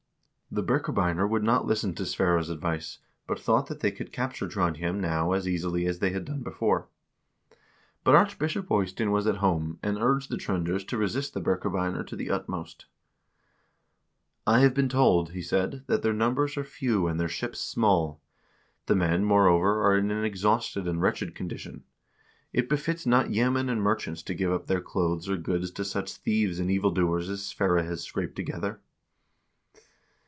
'" l The Birkebeiner would not listen to Sverre's advice, but thought that they could capture Trond hjem now as easily as they had done before. But Archbishop Eystein was at home, and urged the Tr0nders to resist the Birkebeiner to the utmost. "I have been told," he said, "that their numbers are few and their ships small ; the men, moreover, are in an exhausted and wretched condition. It befits not yeomen and merchants to give up their clothes or goods to such thieves and evil doers as Sverre has scraped together."